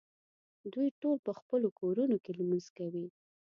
دوی ټول په خپلو کورونو کې لمونځ کوي.